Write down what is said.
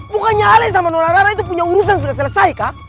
bukannya ale sama nona rara itu punya urusan sudah selesai kah